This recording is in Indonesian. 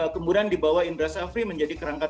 kemudian dibawa indra safri menjadi kerangkat